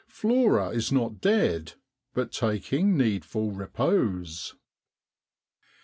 Flora is not dead, but taking needful repose.